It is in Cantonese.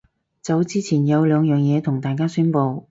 走之前有兩樣嘢同大家宣佈